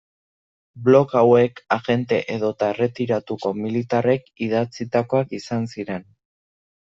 Blog hauek agente edota erretiratutako militarrek idatzitakoak izan ziren.